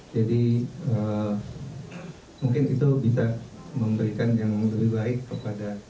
jadi mungkin itu bisa memberikan yang lebih baik kepada